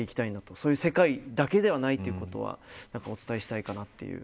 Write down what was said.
そういう世界だけではないということはお伝えしたいかなという。